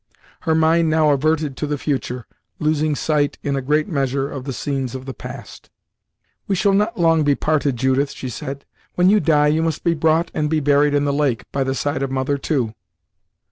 Her mind now adverted to the future, losing sight, in a great measure, of the scenes of the past. "We shall not long be parted, Judith," she said; "when you die, you must be brought and be buried in the lake, by the side of mother, too."